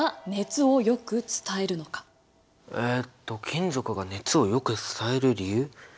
えっと金属が熱をよく伝える理由？